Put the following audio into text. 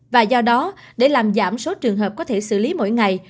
và do đó để làm giảm số trường hợp có thể xử lý mỗi ngày